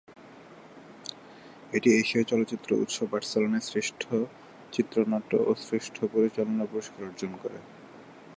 এটি এশীয় চলচ্চিত্র উৎসব বার্সেলোনায় শ্রেষ্ঠ চিত্রনাট্য ও শ্রেষ্ঠ পরিচালনার পুরস্কার অর্জন করে।